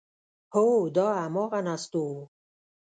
هو، دا همغه نستوه و…